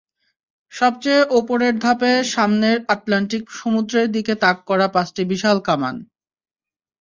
সবচেয়ে ওপরের ধাপে সামনের আটলান্টিক সমুদ্রের দিকে তাক করা পাঁচটি বিশাল কামান।